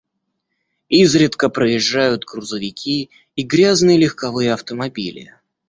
Изредка проезжают грузовики и грязные легковые автомобили.